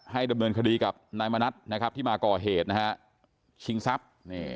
ดำเนินคดีกับนายมณัฐนะครับที่มาก่อเหตุนะฮะชิงทรัพย์